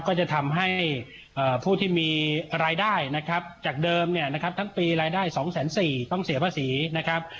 ก็จะทำให้ผู้ที่มีรายได้นะครับจากเดิมเนี่ยนะครับทั้งปีรายได้๒๔๐๐ต้องเสียภาษีนะครับ